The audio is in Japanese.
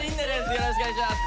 よろしくお願いします。